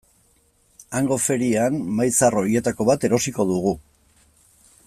Hango ferian mahai zahar horietako bat erosiko dugu.